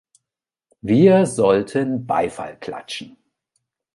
Wir sollten Beifall klatschen!